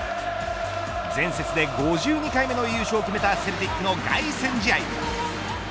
前節で５２回目の優勝を決めたセルティックの凱旋試合。